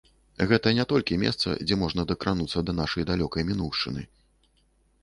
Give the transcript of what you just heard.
Гэта не толькі месца, дзе можна дакрануцца да нашай далёкай мінуўшчыны.